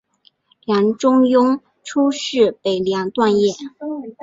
梁中庸初仕北凉段业。